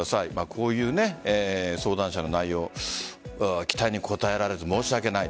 こういう相談者の内容期待に応えられず申し訳ない。